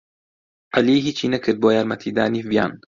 عەلی ھیچی نەکرد بۆ یارمەتیدانی ڤیان.